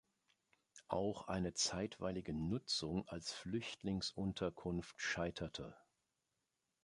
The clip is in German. Auch eine zeitweilige Nutzung als Flüchtlingsunterkunft scheiterte.